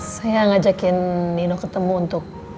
saya ngajakin nino ketemu untuk